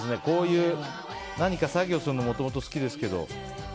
こういう何か作業するのもともと好きですけど。